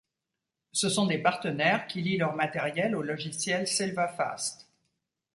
Ce sont des partenaires qui lient leur matériel au logiciel SilverFast.